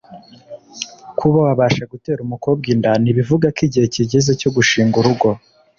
Kuba wabasha gutera umukobwa inda ntibivuga ko igihe kigeze cyo gushinga urugo